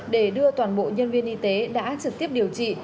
để đưa toàn bộ nhân viên y tế đã trực tiếp điều trị